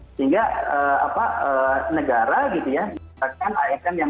sehingga apa negara gitu ya asn yang